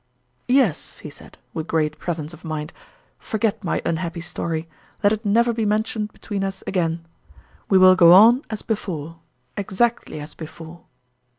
" Yes," he said, with great presence of mind, " forget my unhappy story let it never be mentioned between us again. We will go on as before exactly as before."